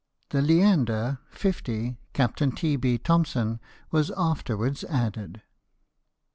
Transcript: The Leander, 50, Captain T. B. Thomson, was afterwards added.